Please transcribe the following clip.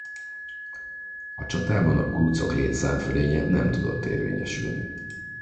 A csatában a kurucok létszámfölénye nem tudott érvényesülni.